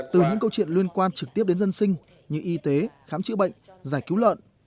từ những câu chuyện liên quan trực tiếp đến dân sinh như y tế khám chữa bệnh giải cứu lợn